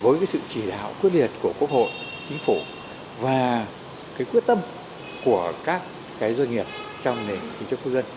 với sự chỉ đạo quyết liệt của quốc hội chính phủ và quyết tâm của các doanh nghiệp trong nền kinh tế quốc dân